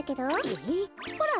えっ？ほら。